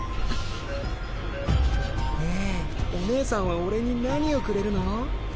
ねえおねえさんは俺に何をくれるの？